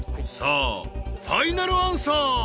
［さあファイナルアンサー？］